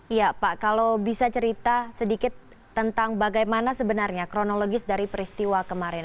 iya pak kalau bisa cerita sedikit tentang bagaimana sebenarnya kronologis dari peristiwa kemarin